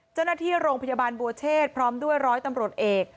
เจ้าหน้าที่โรงพยาบาลบัวเชษพร้อมด้วยร้อยตำรวจเอก